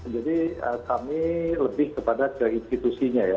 jadi kami lebih kepada ke institusinya ya